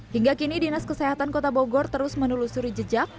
hingga kini dinas kesehatan kota bogor terus menelusuri jejak